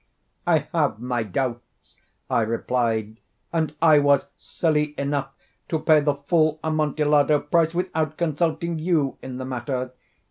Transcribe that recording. "I have my doubts," I replied; "and I was silly enough to pay the full Amontillado price without consulting you in the matter.